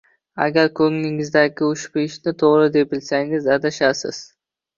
Agar ko`nglingizdagi ushbu ishni to`g`ri deb bilsangiz, adashasiz